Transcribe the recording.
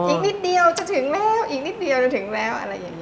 อีกนิดเดียวจะถึงแล้วอีกนิดเดียวจะถึงแล้วอะไรอย่างนี้